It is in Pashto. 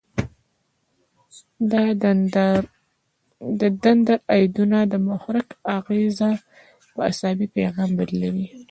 دا دندرایدونه د محرک اغیزه په عصبي پیغام بدلوي.